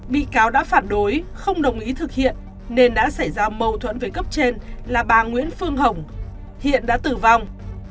bị cáo đã phản đối không đồng ý thực hiện nên đã xảy ra mâu thuẫn với cấp trên là bà nguyễn phương hồng hiện đã tử vong